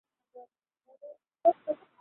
আমরা বৃষ্টি থামার অপেক্ষা করবো।